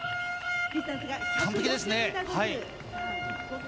完璧ですね。